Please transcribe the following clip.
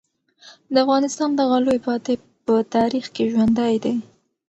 د افغانستان دغه لوی فاتح په تاریخ کې ژوندی دی.